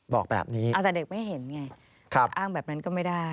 บอกแบบนี้ครับอ้างแบบนั้นก็ไม่ได้เอาแต่เด็กไม่เห็นไง